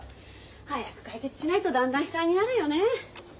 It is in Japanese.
早く解決しないとだんだん悲惨になるよね。